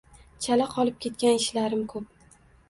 Chala qolib ketgan ishlarim ko’p.